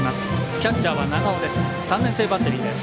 キャッチャーは長尾です。